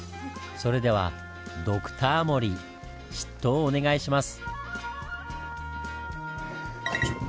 それではドクタモリ執刀をお願いします。